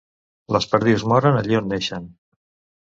Les perdius moren allí on neixen.